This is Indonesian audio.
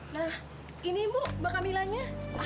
nah ini ibu mbak kamilahnya